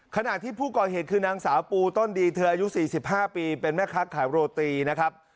ขณะที่ผู้ก่อเหตุคือนางสาวปูต้นดีเธออายุ๔๕ปีเป็นแม่ค้าขายโรตีนะครับ